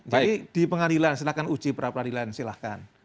jadi di pengadilan silahkan uji pra pragilan silahkan